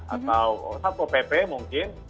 atau satu pp mungkin